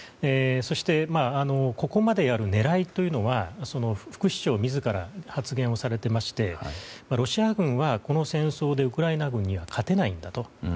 そして、ここまでやる狙いというのは副市長自ら発言をされていましてロシア軍はこの戦争でウクライナ軍には勝てないんだと。